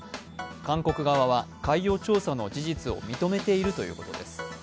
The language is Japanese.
韓国側は海洋調査の事実を認めているということです。